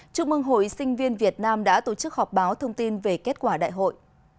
trung ương hội sinh viên việt nam đã tổ chức họp báo thông tin về kết quả đại hội